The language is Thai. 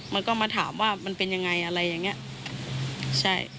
มันก็มาถามว่ามันเป็นยังไงอะไรอย่างเงี้ยใช่